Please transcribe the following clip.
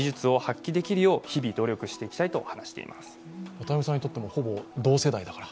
渡部さんにとってもほぼ同世代だから。